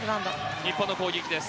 日本の攻撃です。